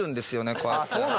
こうやって。